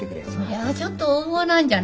それはちょっと横暴なんじゃない？